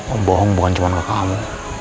oh bohong bukan cuma ke kamu